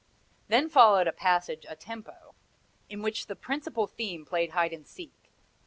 Then followed a passage a tempo, in which the principal theme played hide and seek.